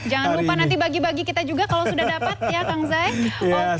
jangan lupa nanti bagi bagi kita juga kalau sudah dapat ya kang zai